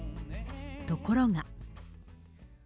ところが。